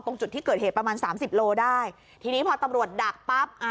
ตรงจุดที่เกิดเหตุประมาณสามสิบโลได้ทีนี้พอตำรวจดักปั๊บอ่า